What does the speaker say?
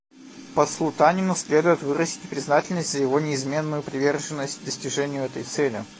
Послу Танину следует выразить признательность за его неизменную приверженность достижению этой цели.